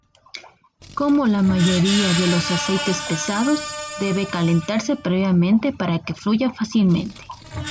Como la mayoría de los aceites pesados, debe calentarse previamente para que fluya fácilmente.